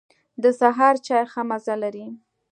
د سهار چای ښه مزه لري.